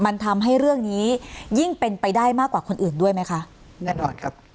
มันทำให้เรื่องนี้ยิ่งเป็นไปได้มากกว่าคนอื่นด้วยไหมคะแน่นอนครับ